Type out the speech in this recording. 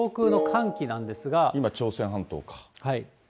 今、朝鮮半島か。